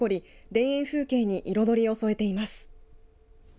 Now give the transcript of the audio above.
田園風景に彩りを添えています。